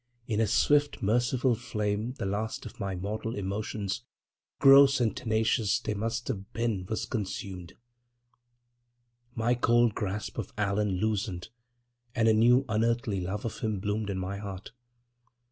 In a swift, merciful flame the last of my mortal emotions—gross and tenacious they must have been—was consumed. My cold grasp of Allan loosened and a new unearthly love of him bloomed in my heart.